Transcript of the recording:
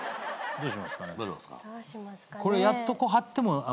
どうしますかねえ。